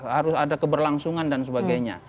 harus ada keberlangsungan dan sebagainya